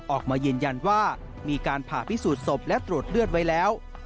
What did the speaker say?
ออกมายืนยันว่ามีการผ่าพิสูจนศพและตรวจเลือดไว้แล้ว